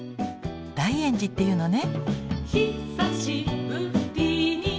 大圓寺っていうのね。